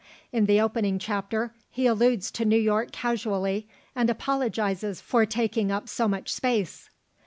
In the opening chapter he alludes to New York casually, and apologizes for taking up so much space.